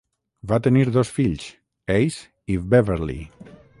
Van tenir dos fills, Ace i Beverly.